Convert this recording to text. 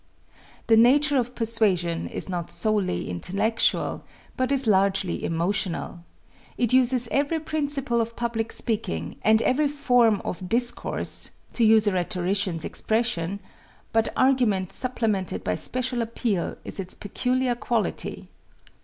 The nature of persuasion is not solely intellectual, but is largely emotional. It uses every principle of public speaking, and every "form of discourse," to use a rhetorician's expression, but argument supplemented by special appeal is its peculiar quality.